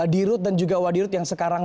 dirut dan juga wadirut yang sekarang